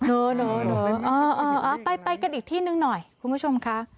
เนอะไปกันอีกที่หนึ่งหน่อยคุณผู้ชมค่ะ